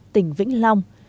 tỉnh vĩnh long